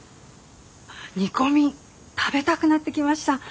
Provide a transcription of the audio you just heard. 煮込み食べたくなってきました。